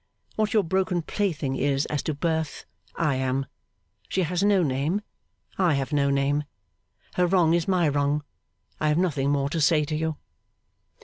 What your broken plaything is as to birth, I am. She has no name, I have no name. Her wrong is my wrong. I have nothing more to say to you.